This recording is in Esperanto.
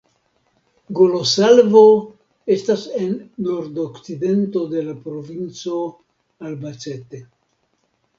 Golosalvo estas en la nordokcidento de la provinco Albacete.